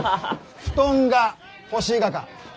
布団が欲しいがか？